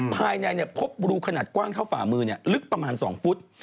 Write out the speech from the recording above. ภายในพบรูขนาดกว้างเท่าฝ่ามือลึกประมาณ๒ฟุต